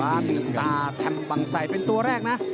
ซ้ายมีตาแถมบังไสยเป็นตัวแรกนะ